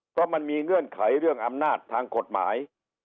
เพราะมันมีเงื่อนไขเรื่องอำนาจทางกฎหมาย